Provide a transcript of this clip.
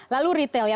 lalu retail ya